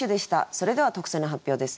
それでは特選の発表です。